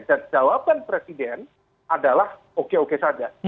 dan jawaban presiden adalah oke oke saja